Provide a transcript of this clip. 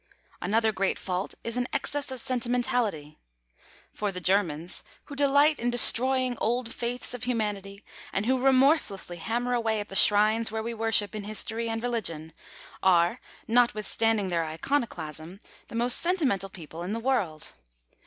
Another great fault is an excess of sentimentality. For the Germans, who delight in destroying old faiths of humanity, and who remorselessly hammer away at the shrines where we worship in history and religion, are, notwithstanding their iconoclasm, the most sentimental people in the world.